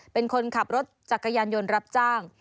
เป็นคนขับรถจักรยานยนต์รับจ้าง